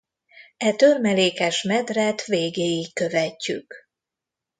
E törmelékes medret végéig követjük.